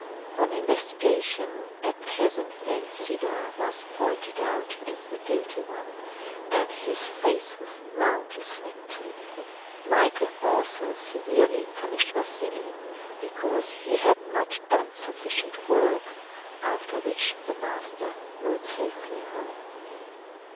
‚ÄĚ On investigation, a peasant named Sidor was pointed out as the guilty one, and his face was roundly slapped. Michael also severely punished Vasili, because he had not done sufficient work, after which the master rode safely home.